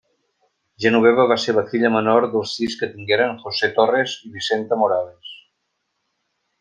Genoveva va ser la filla menor dels sis que tingueren José Torres i Vicenta Morales.